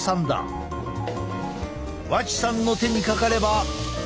和知さんの手にかかれば。